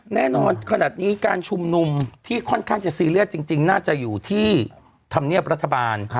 แน่นอนขนาดนี้การชุมนุมที่ค่อนข้างจะซีเรียสจริงน่าจะอยู่ที่ธรรมเนียบรัฐบาล